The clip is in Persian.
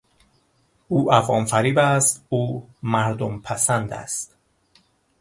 او عوام فریب است، او مردم پسند است.